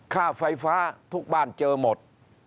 ค่าไฟฟ้าทุกบ้านเจอหมด